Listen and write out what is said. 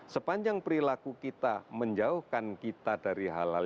sepanjang perilaku kita menjauhkan kita dari halal